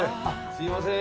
すいません。